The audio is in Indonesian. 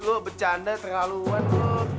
lo bercanda terlaluan lo